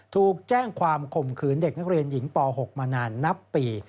ถูกแจ้งความข่มขืนเด็กนักเรียนหญิงป๖มานานนับปี